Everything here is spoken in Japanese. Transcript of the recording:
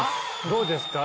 どうですか？